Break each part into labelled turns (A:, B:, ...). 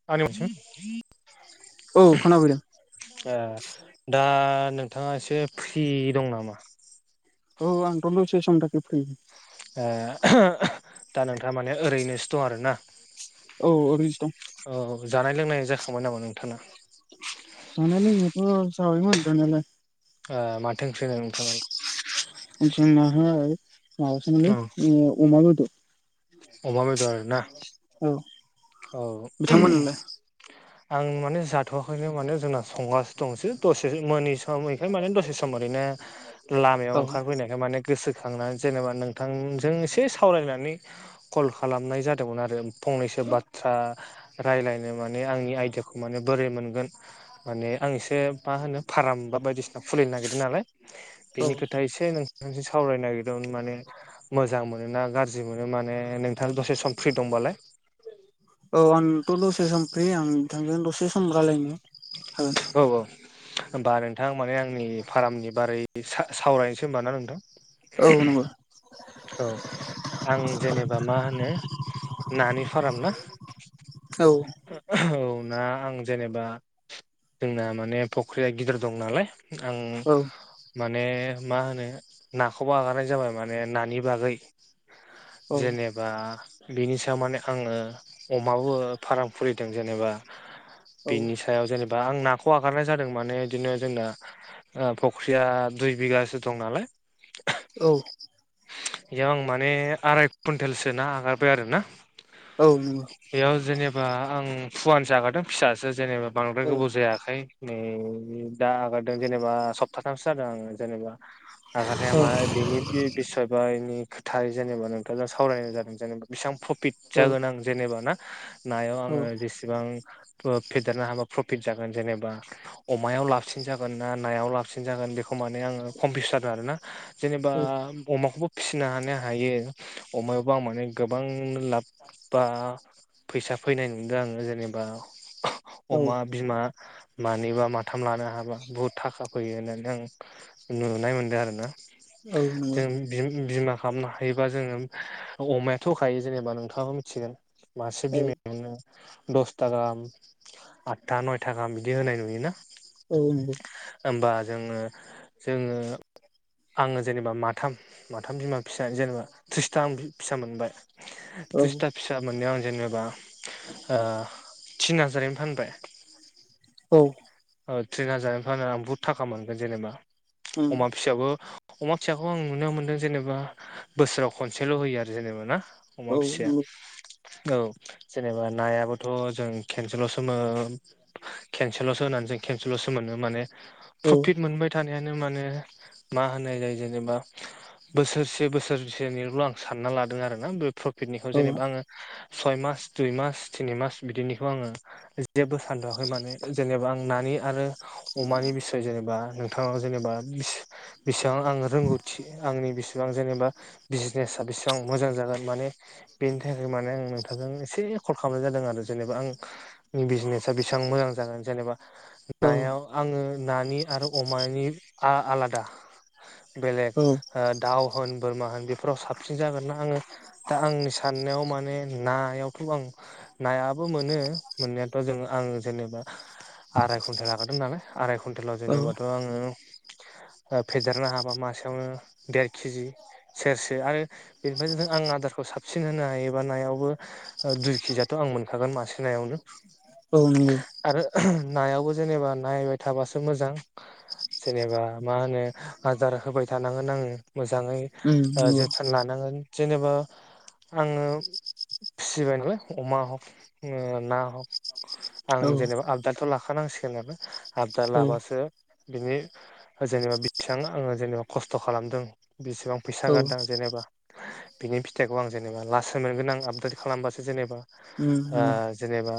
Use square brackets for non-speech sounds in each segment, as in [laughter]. A: [unintelligible]
B: औ खोनाफैदों।
A: ए दा नोंथाङा एसे फ्रि दं नामा?
B: औ आंथ' दसे समनि थाखाय फ्रि
A: ओ दा नोंथाङा माने ओरैनोसो दं आरोना?
B: औ ओरैनोसो दं
A: औ जानाय लोंनाय जाखांबाय नामा नोंथांना?
B: जानाय लोंनायालाय जाबायमोन जानायालाय
A: ओ माथो ओंख्रिनो नोंथांनालाय?
B: जोंनाहाय माबासोमोनलै
A: औ
B: ओ अमा बेदर
A: अमा बेदर आरोना
B: औ
A: औ
B: नोंथांमोनालाय?
A: आं माने जाथ'वाखैनो माने जोंना संगाासो दंसै दसे मोनैसा मोनैखाय माने दसे सम सम ओरैनो लामायाव
B: औ
A: ओंखार फैनाय माने गोसोखांनानै जेनेबा नोंथांजों एसे सावरायनानै कल खालामनाय जादोंमोन आरो फंनैसो बा ओ रायज्लायनो माने आंनि आइदियाखौ माने बोरै मोनगोन माने आं एसे मा होनो फार्म बा बायदिसिना खुलिनो नागिरदों नालाय
B: औ
A: बेनि खोथाया एसे नों थांजों सावरायनो नागिरदोंमोन माने मोजां मोनो ना गाज्रि मोनो माने नोंथां दसे सम फ्रि दंबालाय
B: औ आंथ' दसे सम फ्रि आं बिथांजों दसे सम गलायनो हागोन।
A: औ औ होनोमबा नोंथां माने आंनि फार्मनि बारै सावरायनोसै होनबा ना नोंथां?
B: औ नंगौ
A: औ आं जेनेबा मा होनो नानि फार्म ना
B: औ
A: औ ना आं जेनेबा जोंना माने फख्रिया गिदिर दं नालाय आं
B: औ
A: माने मा होनो नाखौबा आगारनाय जाबाय माने नानि बागै
B: औ
A: जेनेबा बिनि सायाव माने आंङो अमाबो फार्म खुलिदों जेनेबा बेनि
B: औ
A: सा याव जेनेबा आं नाखौ आगारनाय जादों माने बिदिनो जोंना फख्रिया दुइ बिगासो दं नालाय
B: औ
A: बेयाव आं माने आराय कुन्टेलसो ना हगारबाय आरोना।
B: औ
A: बेयाव जेनेबा आं फुवान जागारादों फिसासो जेनेबा बांद्राय
B: औ
A: गोबाव जायाखै। नै दा आगारदों जेनेबा सप्ताथामसो जादों आंङो जेनेबा आगारनाया
B: औ
A: मा बेनि बिसय बारनि खोथाया जेनेबा नोंथांजों सावरायनाय जादों जेनेबा बेसेबां प्रफिट
B: औ
A: जागोन आं जेनेबा ना नायाव आंङो बेसेबां फेदेरनो हाबा प्रफिट जागोन जेनेबा अमायाव लाबसिन जागोन ना नायाव लाबसिन जागोन बेखौ माने आंङो कमपिउस जादों आरो ना। जेनेबा अमाखौबो फिसिनो हानो हायो अमाबबो आं माने गोबां लाब बा फैसा फैनाय नुदों आंङो जेनेबा
B: औ
A: अमा बिमा मानैबा माथाम लानो हाबा बुहुत थाखा फैयो होननानै आं नुनाय मोन्दों आरो ना
B: औ नंगौ
A: जों बिमा खालामनो हायोबा जोंङो अमायाथ'खायो जेनेबा नोंथांङाबो मिथिगोन। मासे
B: औ नंगौ औ
A: बिमायाव मोननो दसथा गाहाम आदथा नयथा गाहाम बिदि होनाय नुयोना।
B: औ
A: होनबा जोंङो जोंङो आंङो जेनेबा मा माथाम माथाम बिमा फिसा जेनेबा थ्रिसथा आं फिसा मोनबाय
B: औ नंगौ औ
A: थ्रिसथा फिसा मोननायाव आं जेनेबा ओ थिन हाजारैनो फानबाय।
B: औ
A: थिन हाजार जानायफ्रायनानै आं बहुत थाखा मोनगोन जेनेबा अमा फिसाबो अमा फिसा बेखौ आं नुनो मोनदों जेनेबा बोसोराव खनसेल' होयो आरो जेनेबा ना। अमा फिसाया औ जेनेबा नायाबोथ' जों खेनसेल'सोमोन खेनसेल'सो होनानै जों खेनसेल'सो मोनो माने प्रफिट मोनबाय थानायानो माने मा होनाय जायो? जेनेबा बोसोरसे बोसोरसेनिल' आं सानना लादों आरोना बे प्रफिटनिखौ जेनेबा आङो सय मास दुइ मास तिनि मास बिदिनिखौ आङो जेबो सानथ'आाखै माने जेनेबा आं नानि आरो अमानि बिसय जेनेबा नोंथांनाव जेनेबा बेसेबां आङो रोंगौथि आंनि बेसेबां जेनेबा बिजनेसा बेसेबां मोजां जागोन माने बेनि थाखाय माने आं नोंथांजों एसे कल खालामनाय जादों आरो जेनेबा आं बिजनेसा बेसेबां मोजां जागोन जेनेबा
B: औ
A: नायाव आंङो नानि आरो अमानि आलादा बेलेग
B: औ
A: दाउ होन बोरमा होन बेफोराव साबसिन जागोन ना आङो दा आंनि साननायाव माने नायावथ' आं नायाबो मोनो मोननायाथ' जों आङो जेनेबा आराय कुन्टेल लागदों नालाय आराय कुइन्टेलाव
B: औ
A: जेनेबाथ' आङो फेदेरनो हाबा मासेयावनो देर केजि सेरसे आरो बेनिफ्राय ज आं आदारखौ साबसिन होनो हायोबा नायावबो दुइ केजियाथ' आं मोनखागोन मासेनायावनो।
B: औ नंगौ
A: आरो नायावबो जेनेबा नायबाय थाबासो मोजां। जेनेबा मा होनो? आदार होबाय थानांगोन आङो मोजाङै
B: उम नंगौ
A: जोथोन लानांगोन। जेनेबा आङो फिसिबाया नाय अमा हक ना हक आं
B: औ
A: जेनेबा आबदाथ' लाखानांसिगोन आरोा आबदा लाबासो बिनि जेनेबा बेसेबां आङो जेनेबा खसथ खालामदों बेसेबां फैसा
B: औ
A: गारदों जेनेबा बिनि फिथाइखौ आं जेनेबा लासै मोनगोन आं आपडेट खालामबासो जेनेबा
B: उम
A: ओ
B: नंगौ
A: जेनेबा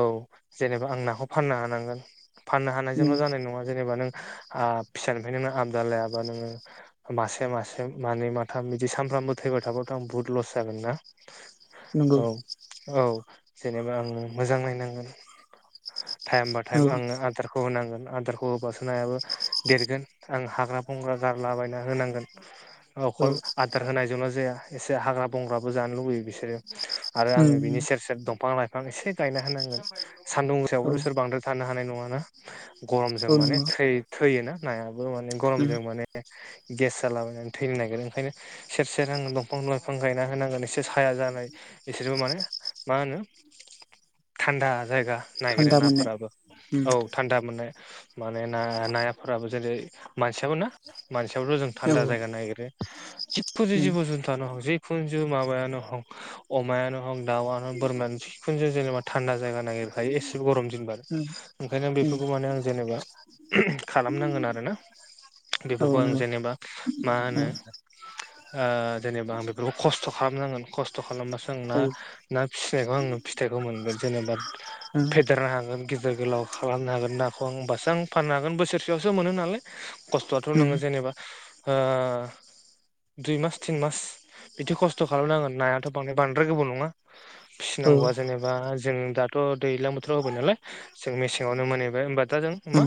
A: औ जेनेबा आं नाखौ फाननो हानांगोन फाननो हानायजोंल
B: उम
A: जानाय नङा जेनेबा नों आ फिसानिफ्राय नोंङो आबदाल लायाबा नोङो मासे मासे मानै माथाम बिदि सानफ्रामबो थैबाय थाब्लाथ आं बुहुत लस जागोन ना
B: नंगौ
A: औ औ जेनेबा आङो मोजां नायनांगोन टाइम बाय
B: औ
A: टाइम आङो आदारखौ होनांगोन आदारखौ होबासो नायाबो देरगोन आं हाग्रा बंग्रा गारलाबायना होनांगोन
B: औ
A: अखल आदार होनायजोंल जाया एसे हाग्रा बंग्राबो जानो लुुबैयो बिसोरो आरो आङो
B: उम
A: बिनि सेर सेेर दंफां लाइफां एसे गायना होनांगोन सानदुं
B: औ
A: मुसायावबोथ बिसोर बांद्राय थानो हानाय नङाना गरमजों
B: औ
A: माने
B: नंगौ
A: थै थैयोना नायाबो माने
B: उम
A: गरमजों माने गेस जालाबायनानै थैनो नागिरो ओंखायनो सेर सेर आं दंफां लाइफां गायना होनांगोन एसे साया जानाय बिसोरबो माने मा होनो थानदा जायगा नागिरो
B: थान्दा मोननाय
A: नाफोराबो
B: उम
A: औ थानदा मोननाय माने ना नाफोराबो जेरै मानसियाबो ना मानसियाबोथ जों
B: औ
A: थानदा जायगा नागिरो जिखुनु
B: उम
A: जिबु जुनथानो हग जि जिखुनु माबायानो हग अमायानो हग दाउआनो बोरमानो जिखुनु जेनेबा थानदा जायगा नागिरखायो एसे गरम दिन
B: उम
A: बानो ओंखायनो
B: उम
A: बेफोरखौ माने आं जेनेबा खालामनांगोन आरोना
B: औ नंगौ उम औ उम औ
A: बेफोरखौ
B: उम
A: आं
B: औ
A: जेनेबा मा होनो ओ जेनेबा आं बेफोरखौ खसथ खालामनांगोन खस थ खालामबासो आं न ना फिसिनायखौ आं फिथखौ मोनगोन जेनेबा फे देरनो हागोन गिदेर गोलाव खालामनो हागोन नाखौ आं हबासो आं फाननो हागोन बोसोरसेयावसो मोनो नालाय खस्थआथ नोङो जेनेबा ओ दुइ मास तिन मास बिदि खस्थ‌ खालामनांगोन नायाथ बांदाय बांद्राय गोबाव नङा फिसिनांगौवा जेनेबा जों दाथ दैज्लां बोथोराव होबाय नालाय जों मेसेङावनो मोनहबाय होनोमबा दा जों मा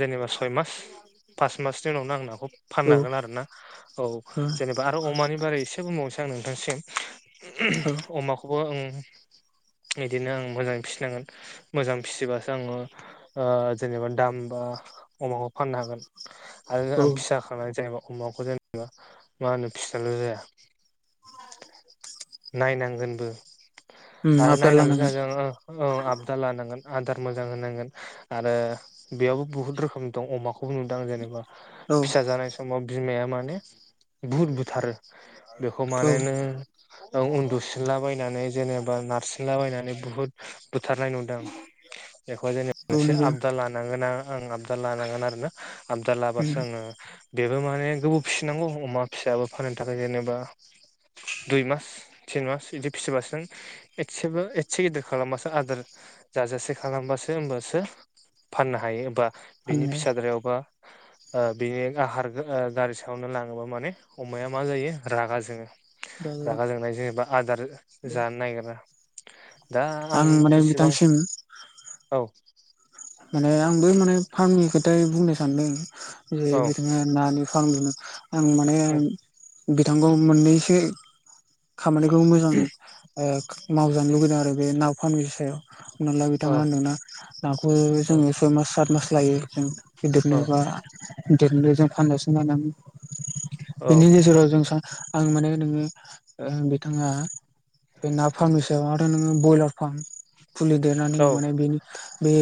A: जेनेबा सय मास पास मासनि उनावनो आं नाखौ
B: ओ
A: फाननो हागोन आरो ना औ जेनेबा आरो अमानि बारै एसे बुंबावनोसै आं नोंथांसिम अमाखौबो आं बिदिनो आं मोजाङै फिसिनांगोन मोजां फिसिबासो आङो ओ जेनेबा दाम बा अमाखौ फाननो हागोन आरो
B: औ
A: आं फिसा जेनेबा अमाखौ जेनेबा मा होनो फिसिबाल जाया नायनांगोनबो
B: उम
A: आरो
B: आबदाल
A: नायनानैल जाया
B: लानांगोन
A: जों ओ आबदाल लानांगोन आदार मोजां होनांगोन आरो बेयावबो बहुत रोखोम दं अमाखौ नुदां आं जेनेबा
B: औ
A: जानाय समाव बिमाया माने बुहुद बुथारो बेखौ
B: औ
A: माने नों उन्दु सिनला बायनानै जेनेबा नारसिनला बायनानै बुहुत बुथारनाय नु बेखौ जेन
B: औ
A: मोनसे
B: नंगौ
A: आबदाल लानांगोन आं आपदाल लानांगोन आरोना आबदाल
B: उम
A: लाबासो आङो बेबो माने गोबाव फिसिनांगौ अमा फिसाबो फाननो थाखाय जेनेबा दुइ मास तिन मास बिदि फिसिबासो एसेबो एसे गिदिर खालामबासो आदार जाजासे खालामबासो होमबासो फाननो हायो बा बिनि
B: फाननाय
A: फिसाद्रायावबा ओ बेनि आहार गारि सायावनो लाङोबा माने अमाया मा जायो रागा जोङो रागा जोंनाय जेनेबा आदार जानो नागिरा दा आं
B: माने
A: जेसेबां
B: बिथांसिम
A: औ
B: माने आंबो माने फार्मनि खोथा बुंनो सानदों जे
A: औ
B: बिथाङा नानि फार्म लुनो आं माने
A: औ
B: बिथांखौ मोननैसो खामानिखौ मोजां मावजानो लुुबैदों आरो बे नाव फारनि सायाव। हना ला बिथाङा होनदोंना नाखौ
A: औ
B: जोङो सय मास सात मास लायो जों गिदिरनो बा देरनो जों फानजासाम नायांगौ बेनि गेजेराव जों सानो आं माने नोङो बिथाङा बे ना फार्मनि सायाव आरो नोङो ब्रयलार फार्म फुलि
A: औ
B: देरनानै हो माने बेनि बे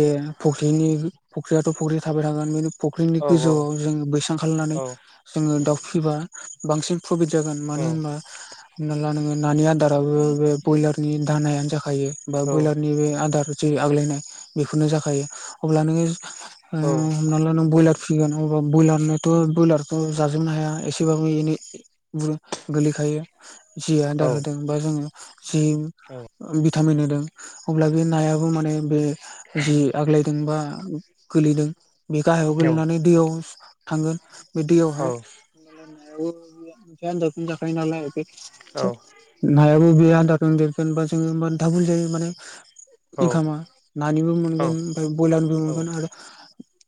B: फख्रिनि फुख्रियाथ' फख्रि थाबाय थागोन बे फुख्रिनि गोजौआव जोङ बैसां खालामनानै
A: औ
B: जोङो दाउ फिबा बांसिन प्रफिद जागोन मानो होनबा हना ला नोङो नानि आदाराबो बे ब्रयलार नि दानायानो जाखायो बा
A: औ
B: ब्रयलारनि बे आदार जे आग्लायनाय बेफोरनो जाखायो अब्ला नोङो हमना ला नों ब्रयलार सिगाङावा ब्रयलारनोथ' ब्रयलारखौ' जाजोबनो हाया एसेबाबो एनै ब गोलैखायो जि आदार होदों बा जोङो जि भिटामिन होदों अब्ला बे नायाबो माने बे जि आग्लायदों बा गोलैदों बे गाहायाव गोलैनानै दैयाव थांगोन बि दैयावहाय जख जाखायो नालाय
A: औ
B: नायाबो बे आदाजों देरगोन बा जोङो बुल जायो माने इनखामा नानिबो मोनगोन ओमफ्राय ब्रयलारनिबो मोनगोन आरो।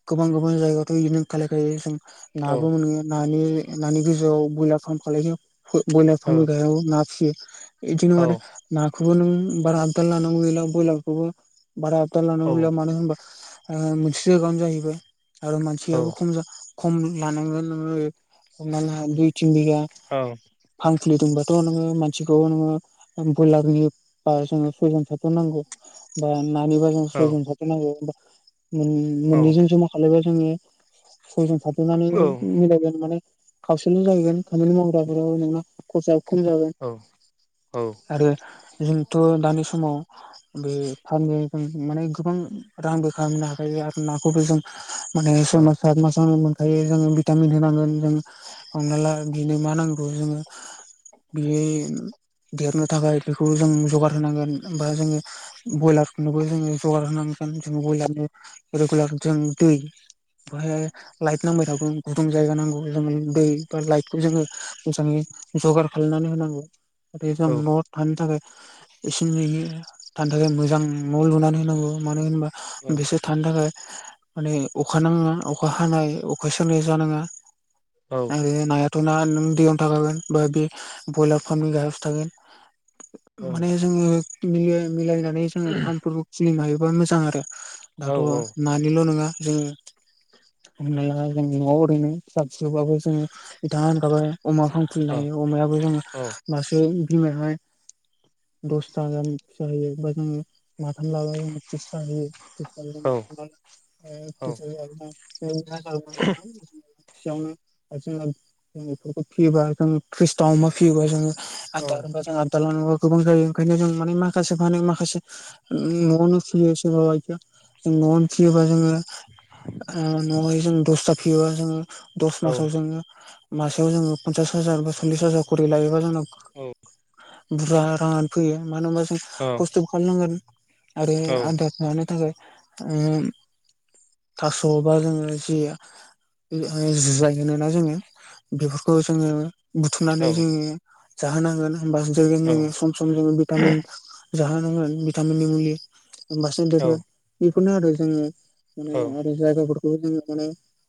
B: गोबां गोबां जायगायावथ' बि खालायखायो जों नाबो मोनो न नानि गोजौआव ब्रयलार फार्म खालायो ब्रयलार
A: औ
B: फार्मनि गाहायाव ना फिसियो बेदिनो
A: औ
B: मे नाखौबो नों बारा आबदाल लानांगौ गैला ब्रयलारखौबो बारा आबदाल
A: औ
B: मानो होनबा मोनसे जायगायावनो जाहैबाय आरो मानसियाबो खम खम लानांगोन नोङो हमना ला दुइ तिन बिगा
A: औ
B: फांखुलि दंबाथ' नोङो मानसिखौ नोङो बयलारनिबा जोंनो सयजन साथजन नांगौ बा नानिबा जों सयजन साथजन नांगौ नि मोननै जों जमा खालामबा जोंनि फजों थारोबनानै मिलायगोन माने खावसेलल' जाहैगोन खामानि मावग्राफोराव नोंना खसा खम जागोन आरो जोंथ' दानि समाव बे [unintelligible] माने गोबां रांबो खालामनो हाखायो आरो नाखौबो जों माने समाज म मोनखायो जोङो भिटामिन होनांगोन जों हमना ला बिनो मा नांगौ जोङो बियो देरनो थाखाय बेखौ जों जगार होनांगोन बा जोङो ब्रयलारनोबो जोङो जगार होनांग जोन जों ब्रयलारनो रेगुलार जों दै बेहाय लाइट नांबाय थागौ गुदुं जायगा नांगौ जों दै बा लाइटखौ जोङो मोजाङै जगार खालामनानै होनांगौ। ज जों न'आव थानो थाखाय इसेन नुयो थानो थाखाय मोजां न' लुनानै मानो होनबा बिसोर थानो थाखाय माने अखा नाङा अखा हानाय अखा सेरनाय जानाङा। नागिरो नाया 'ना नों दैयावनो थागोन बा बे ब्रयलार फार्मनि गाहायाव सो थागोन। माने जोङो मि मिलायनानै जोङो फार्मफोरखौ खुलिनो हायोबा मोजां आरो। दाथ' नानिल' नङा ज हमनाया जोंनि न'आव ओरैनो फिसा फिसौबाबो जोङो बिथाङा होनखाबाय अमा फांफुलिनो हायो अमायाबो जोङो मासो बिमाहाय दसथा गाहाम फिसा होयो बा जोङो [unintelligible] [unintelligible] खायावनो आरो जोंना ज बेफोरखौ फियोबा जों खृष्टाव अमा फियोबा जोङो आदार होनबा जों आदार ला गोबां जायो ओंखायनो जों माने माखासे माने होन माखासे न'नो फियो सोरबा बायखिया न'आवनो फिसियोबा जोङो न'आवहाय जों दसथा फियोबा जोङो दस मासाव जोङो मासेआव जोङो पन्सास हाजार बा सल्लिस हाजार खरि लायोबा जोङो
A: औ।
B: बुरजा राङानो फैयो मानो होनबा जों खस्थ'बो खालामनांगोन। आरो आधार मानो थाखाय थास'बा जोङो जि जुजाय होनोना जोङो बेफोरखौ जोङो बुथुमनानै जोङो जाहोनांगोन होमबा जागोन जोङो सम ज भिटामिन जाहोनांगोन भिटामिननि मुलि बांसिन देरगोन। बेफोरनो आरो जोङो माने आरो जायगाफोरखौ माने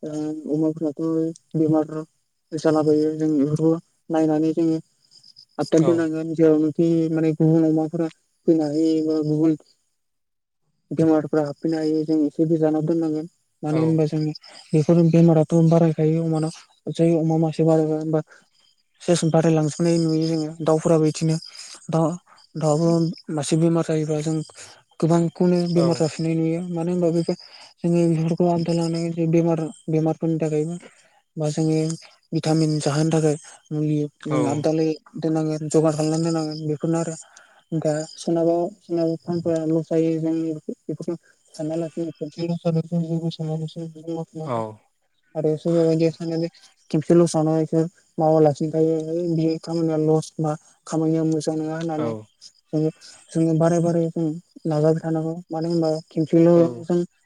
B: ओ अमाफ्राबो बेमार जालाबायो जों बेफोरखौ नायनानै जोङो आभदाल दोननांगोन जेरावनाखि माने गुबुन अमाफोरा फैनानै गुबुन बेमारफ्रा हाबफैनो हायो जों एसे गोजानाव दोननांगोन। मानो होनोबा जों बेफोर बेमाराथ' बारायखायो अमानाव जै अमा मासेनाव बारबाय। सेस बारायलांजोबनाय नुयो जोङो दाउफोराबो बिदिनो दाउ दउ मासे बेमार जायोब्ला जों गोबांखौनो बेमार जाफिन मानो होनबा बे जोङो बेफोरखौ आबदाल लानानै बेमार बेमार फोरनि थाखायबो बा जोङो भिटामिन जाहोनो थाखाय मुलि जों [unintelligible] दोननांगोन जगार खालामनानै दोननांगोन बेफोरनो आरो दा सोरनाबा बिसिन [unintelligible] फफोरा लस जायो जों मांग [unintelligible] आरो [unintelligible] खेबसे लस जानानै बेखौ मावालासिनोख थायो बि खामानिया लस बा खामानिया मोजां। मोजां नङा होननानै जो जोङो बाराय बारै जों नाजाबाय थानांगौ मानो होनबा?
A: औ
B: केमथि [unintelligible]